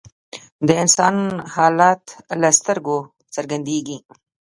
د انسان حالت له سترګو څرګندیږي